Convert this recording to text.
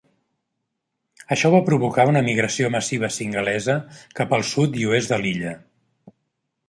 Això va provocar una migració massiva singalesa cap al sud i oest de l'illa.